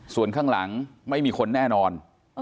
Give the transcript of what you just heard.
ส่วนข้างหลังไม่มีคนแน่นอน